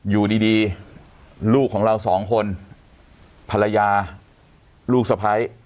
อยู่ดีลูกของเราสองคนภรรยาลูกสะพ้าย